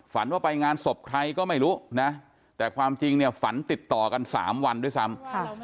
ฝันว่าไปงานศพใครก็ไม่รู้นะแต่ความจริงเนี่ยฝันติดต่อกัน๓วันด้วยซ้ำ